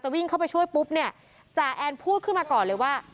วิ่งเข้าไปช่วยปุ๊บเนี่ยจ่าแอนพูดขึ้นมาก่อนเลยว่า